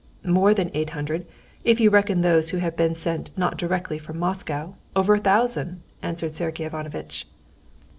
"More than eight hundred. If you reckon those who have been sent not directly from Moscow, over a thousand," answered Sergey Ivanovitch.